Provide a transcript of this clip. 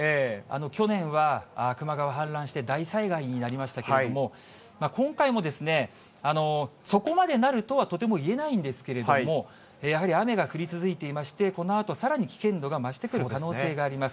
去年は球磨川氾濫して、大災害になりましたけれども、今回もそこまでなるとはとても言えないんですけれども、やはり雨が降り続いていまして、このあと、さらに危険度が増してくる可能性があります。